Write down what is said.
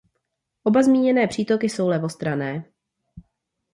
Oba zmíněné přítoky jsou levostranné.